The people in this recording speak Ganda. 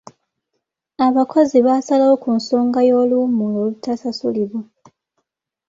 Abakozi baasalawo ku nsonga y'oluwummula olutasasulibwa.